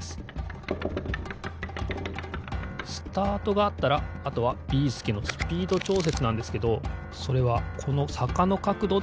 スタートがあったらあとはビーすけのスピードちょうせつなんですけどそれはこのさかのかくどでちょうせつしてます。